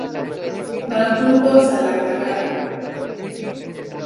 Van juntos a Carrara.